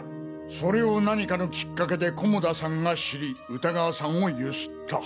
それを何かのきっかけで菰田さんが知り歌川さんをゆすった。